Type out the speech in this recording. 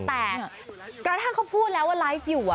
แต่กระทั่งเขาพูดแล้วว่าไลฟ์อยู่